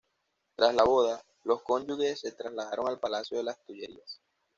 Tras la boda, los cónyuges se trasladaron al Palacio de las Tullerías.